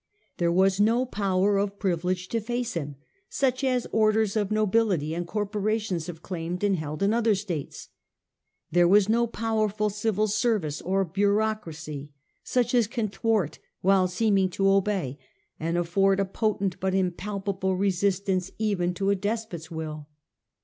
There was no power of privilege to face him, such as orders of nobility and cor porations have claimed and held in other states. There was no powerful civil service or bureaucracy, such as can thwart while seeming to obey, and afford a potent but impalpable resistance even to a despots will.